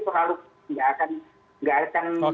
terlalu nggak akan